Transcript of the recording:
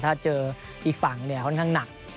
ถ้าเจออีกฝั่งเนี่ยค่อนข้างหนัก